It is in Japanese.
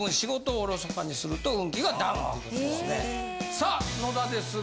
さあ野田ですが。